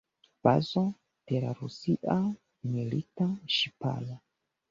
Bazo de la rusia milita ŝiparo.